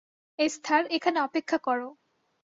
Esther, এখানে অপেক্ষা করো।